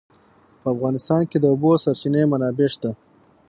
په افغانستان کې د د اوبو سرچینې منابع شته.